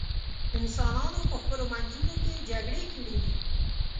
انسانانو په خپلو منځونو کې جګړې کړې دي.